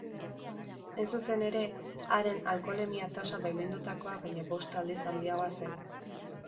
Hain zuzen ere, haren alkoholemia-tasa baimendutakoa baino bost aldiz handiagoa zen.